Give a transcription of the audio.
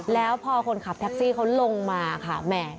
แล้วพอคนขับแท็กซี่เขาลงมาค่ะแหม